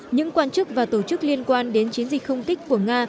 những quan chức và tổ chức liên quan đến chiến dịch không kích của nga